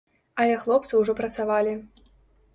Але хлопцы ўжо працавалі.